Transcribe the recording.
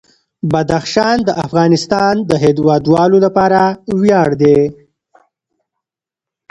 بدخشان د افغانستان د هیوادوالو لپاره ویاړ دی.